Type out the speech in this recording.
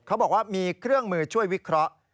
เขาบอกว่ามีเครื่องมือช่วยวิเคราะห์